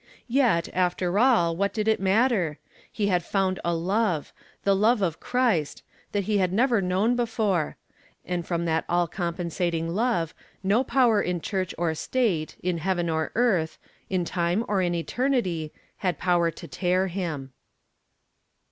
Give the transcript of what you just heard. Yet, after all, what did it matter? He had found a love the love of Christ that he had never known before; and from that all compensating love no power in church or state, in heaven or earth, in time or in eternity, had power to tear him.